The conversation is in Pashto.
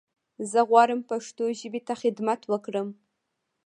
زه غواړم پښتو ژبې ته خدمت وکړم.